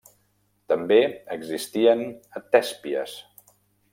També existien a Tèspies.